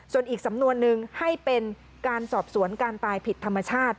ส่วนอีกสำนวนนึงให้เป็นการสอบสวนการตายผิดธรรมชาติ